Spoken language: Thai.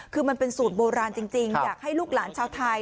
คือมันเป็นสูตรโบราณจริงอยากให้ลูกหลานชาวไทย